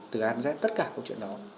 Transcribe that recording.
từ an dết tất cả câu chuyện đó